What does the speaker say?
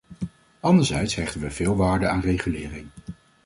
Anderzijds hechten we veel waarde aan regulering.